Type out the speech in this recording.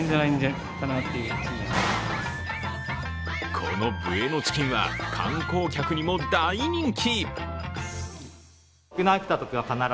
このブエノチキンは観光客にも大人気。